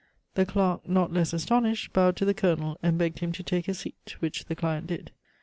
The clerk, not less astonished, bowed to the Colonel and begged him to take a seat, which the client did.